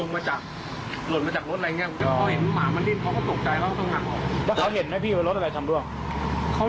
เขาจะวิ่งเข้าบ้านเพราะว่าไม่ใช่บ้านเขา